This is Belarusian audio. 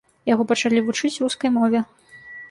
Яго пачалі вучыць рускай мове.